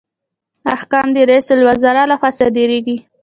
احکام د رئیس الوزرا لخوا صادریږي